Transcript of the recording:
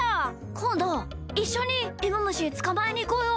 こんどいっしょにいもむしつかまえにいこうよ。